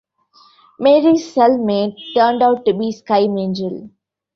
Mary's cellmate turned out to be Sky Mangel.